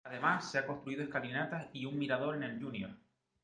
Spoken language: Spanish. Además se ha construido escalinatas y un mirador en el Jr.